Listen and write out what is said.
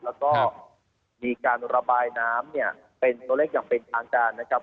แล้วก็มีการระบายน้ำเนี่ยเป็นตัวเลขอย่างเป็นทางการนะครับ